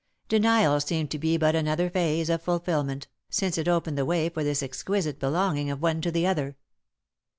Denial seemed to be but another phase of fulfilment, since it opened the way for this exquisite belonging of one to the other.